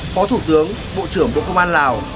phó thủ tướng bộ trưởng bộ công an lào